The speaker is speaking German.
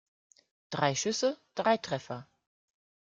Drei Schüsse, drei Treffer.